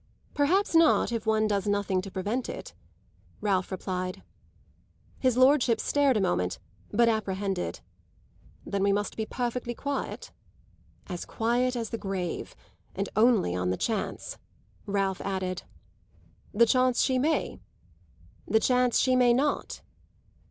"Perhaps not if one does nothing to prevent it," Ralph replied. His lordship stared a moment, but apprehended. "Then we must be perfectly quiet?" "As quiet as the grave. And only on the chance!" Ralph added. "The chance she may?" "The chance she may not?"